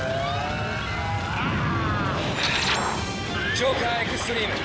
ジョーカーエクストリーム！